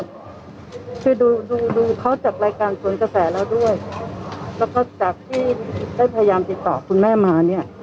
ช่วยดูดูเขาจากรายการสวนกระแสเราด้วยแล้วก็จากที่ได้พยายามติดต่อคุณแม่มาเนี่ย